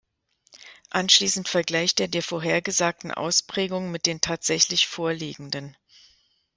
Anschließend vergleicht er die vorhergesagten Ausprägungen mit den tatsächlich vorliegenden.